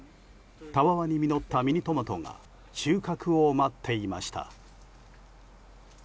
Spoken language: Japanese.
たわわに実ったミニトマトが収穫を待っていました。